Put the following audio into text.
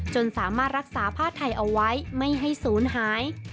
สามารถรักษาผ้าไทยเอาไว้ไม่ให้ศูนย์หาย